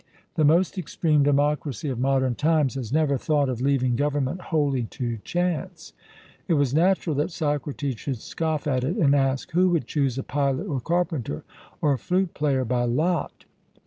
The most extreme democracy of modern times has never thought of leaving government wholly to chance. It was natural that Socrates should scoff at it, and ask, 'Who would choose a pilot or carpenter or flute player by lot' (Xen.